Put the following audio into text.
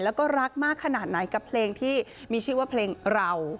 แล้วก็รักมากขนาดไหนกับเพลงที่มีชื่อว่าเพลงเรา